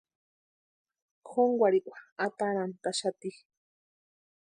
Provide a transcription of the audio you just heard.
Jónkwarhikwa atarantʼaxati.